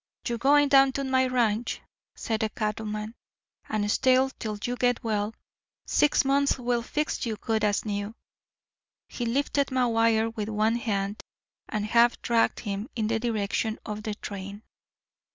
"You're going down to my ranch," said the cattleman, "and stay till you get well. Six months'll fix you good as new." He lifted McGuire with one hand, and half dragged him in the direction of the train.